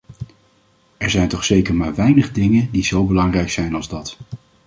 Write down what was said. Er zijn toch zeker maar weinig dingen die zo belangrijk zijn als dat.